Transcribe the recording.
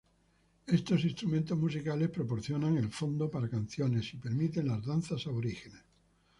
Estos instrumentos musicales proporcionan el fondo para canciones y permiten las danzas aborígenes.